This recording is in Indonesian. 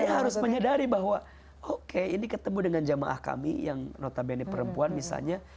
saya harus menyadari bahwa oke ini ketemu dengan jamaah kami yang notabene perempuan misalnya